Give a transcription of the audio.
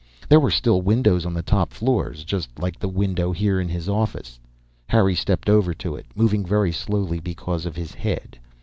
There were still windows on the top floors, just like the window here in his office. Harry stepped over to it, moving very slowly because of his head.